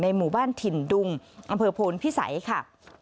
ในหมู่บ้านถิ่นดุงอพพิษัยค่ะ